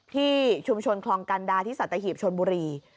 ที่ชุมชนคลองกันดาที่สัตหีบชนบุรี